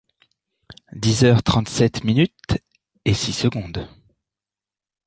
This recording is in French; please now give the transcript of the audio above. Dix heures trente-sept minutes et six secondes.